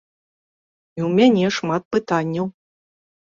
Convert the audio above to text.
І у мяне шмат пытанняў.